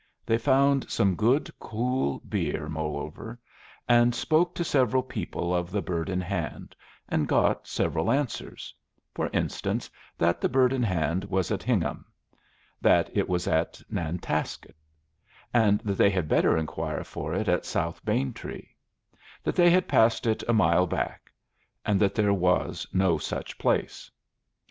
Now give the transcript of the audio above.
They found some good, cool beer, moreover, and spoke to several people of the Bird in Hand, and got several answers: for instance, that the Bird in Hand was at Hingham; that it was at Nantasket; that they had better inquire for it at South Braintree; that they had passed it a mile back; and that there was no such place.